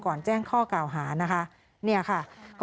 ก่อนแจ้งข้อเก่าหานะคะ